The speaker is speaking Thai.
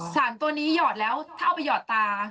สารตัวนี้หยอดแล้วถ้าเอาไปหยอดตา